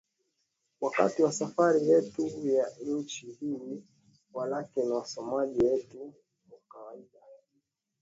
wakati wa safari yetu ya nchi hii Walakini wasomaji wetu wa kawaida